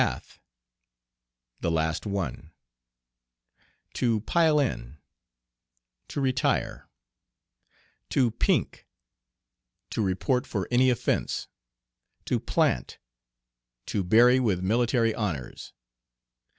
"Ath." The last one. "To pile in." To retire. "To pink." To report for any offence. "To plant." To bury with military honors.